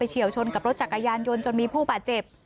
เฉียวชนกับรถจักรยานยนต์จนมีผู้บาดเจ็บ